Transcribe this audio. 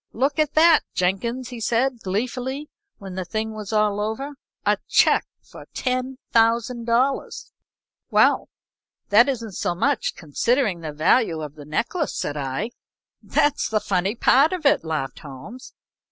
"Look at that, Jenkins!" He said, gleefully, when the thing was all over. "A check for $10,000." "Well that isn't so much, considering the value of the necklace," said I. "That's the funny part of it," laughed Holmes.